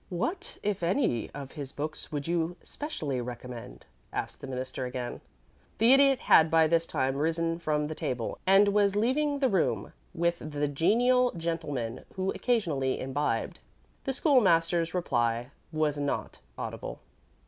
"What, if any, of his books would you specially recommend?" asked the Minister again. The Idiot had by this time risen from the table, and was leaving the room with the genial gentleman who occasionally imbibed. The School master's reply was not audible.